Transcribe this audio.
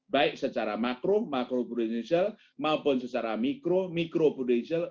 baik secara makro makro prudensial maupun secara mikro mikro prudensial